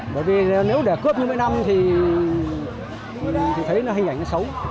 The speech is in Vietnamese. bởi vì nếu để cướp như mọi năm thì thấy hình ảnh xấu